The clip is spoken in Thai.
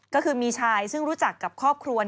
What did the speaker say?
ก็คือมีชายซึ่งรู้จักกับครอบครัว